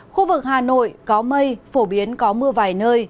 khu vực hà nội có mây phổ biến có mưa vài nơi